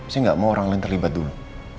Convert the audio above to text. saya nggak mau orang lain terlibat dulu